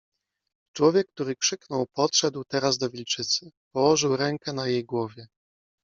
Człowiek, który krzyknął, podszedł teraz do wilczycy. Położył rękę na jej głowie